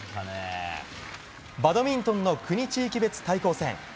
バドミントンの国・地域別対抗戦。